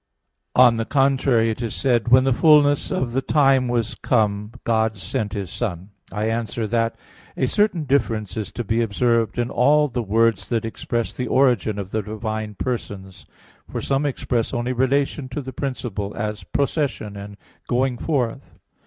On the contrary, It is said (Gal. 4:4): "When the fullness of the time was come, God sent His Son." I answer that, A certain difference is to be observed in all the words that express the origin of the divine persons. For some express only relation to the principle, as "procession" and "going forth."